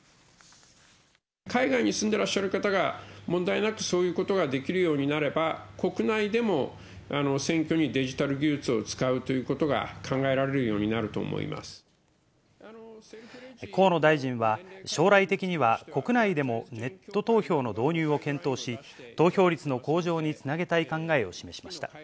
海外に住んでらっしゃる方が、問題なくそういうことができるようになれば、国内でも選挙にデジタル技術を使うということが考えられるように河野大臣は、将来的には、国内でもネット投票の導入を検討し、投票率の向上につなげたい考えを示しました。